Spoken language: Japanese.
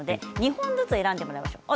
２本ずつ選んでもらいましょう。